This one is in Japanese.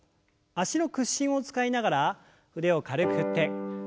脚の屈伸を使いながら腕を軽く振って。